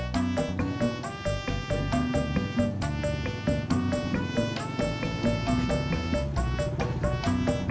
terserah lo aja